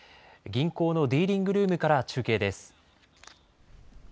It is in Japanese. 銀行のディーリングルームから中継です。